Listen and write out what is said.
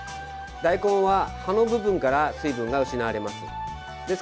大根は葉の部分から水分が失われます。